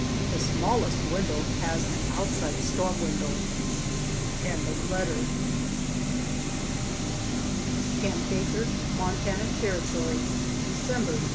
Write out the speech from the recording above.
The smallest window has an outside storm window. CAMP BAKER, MONTANA TERRITORY, December, 1877.